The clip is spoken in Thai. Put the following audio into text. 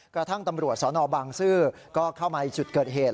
กระทั่งตำรวจสนบางซื่อก็เข้ามาในจุดเกิดเหตุ